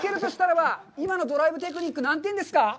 今のドライブテクニック、何点ですか？